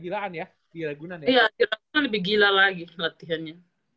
iya latihannya lebih gila lagi latihannya